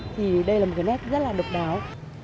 thì đây là một cái nét rất là độc đáo